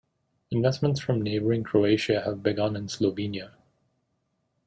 Investments from neighboring Croatia have begun in Slovenia.